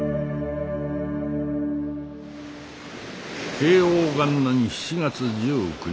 慶応元年７月１９日